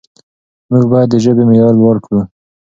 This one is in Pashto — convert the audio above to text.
موږ باید د ژبې معیار لوړ کړو.